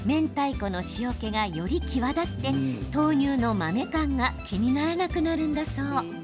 この塩けがより際立って豆乳の豆感が気にならなくなるんだそう。